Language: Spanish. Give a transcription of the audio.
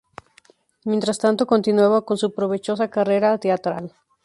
Mientras tanto, continuaba con su provechosa carrera teatral.